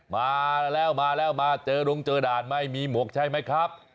มาแล้วเจอรุงเจอด่านไม่มีหมวกใช่ไหมครับ